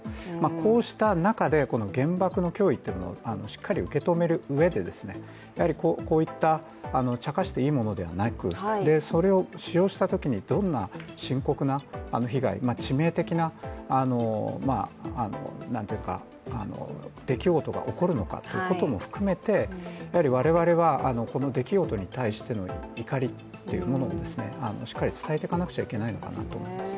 こうした中で原爆の脅威をしっかり受け止めるうえでやはりこういった、ちゃかしていいものではなくそれを使用したときにどんな深刻な被害致命的な出来事が起こるのかということも含めて我々はこの出来事に対しての怒りというものをしっかり伝えていかなきゃいけないのかなっていうふうに思います。